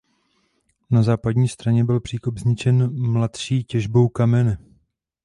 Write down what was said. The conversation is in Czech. Na západní straně byl příkop zničen mladší těžbou kamene.